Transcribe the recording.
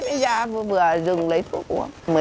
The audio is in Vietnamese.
bây giờ vừa vừa rừng lấy thuốc uống